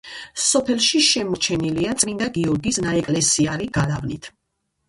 სოფელში შემორჩენილია წმინდა გიორგის ნაეკლესიარი გალავნით.